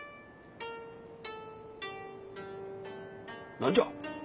・何じゃ？